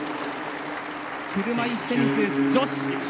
車いすテニス女子